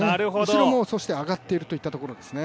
後ろも上がってるといったところですね。